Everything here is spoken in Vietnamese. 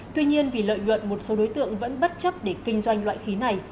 tuy nhiên vì lợi nhuận một số đối tượng vẫn bất chấp để kinh doanh loại khí này